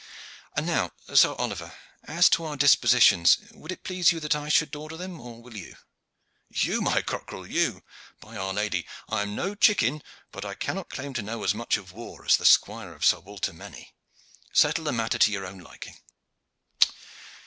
And now, Sir Oliver, as to our dispositions: would it please you that I should order them or will you?" "You, my cockerel, you. By Our Lady! I am no chicken, but I cannot claim to know as much of war as the squire of Sir Walter Manny. Settle the matter to your own liking."